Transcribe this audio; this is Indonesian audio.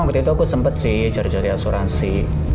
waktu itu aku sempet sih cari cari asuransi